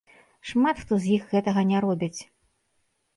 Шмат хто з іх гэтага не робяць.